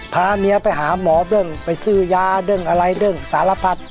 พาเมียไปหาหมอเบิ้งไปซื้อยาเบิ้งอะไรเรื่องสารพัด